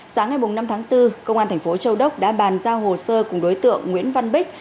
sáng ngày năm tháng bốn công an thành phố châu đốc đã bàn giao hồ sơ cùng đối tượng nguyễn văn bích